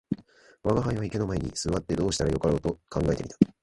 吾輩は池の前に坐ってどうしたらよかろうと考えて見た